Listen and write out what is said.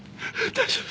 大丈夫。